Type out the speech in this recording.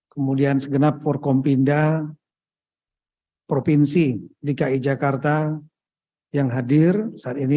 kemudian segenap forkompinda provinsi dki jakarta yang hadir saat ini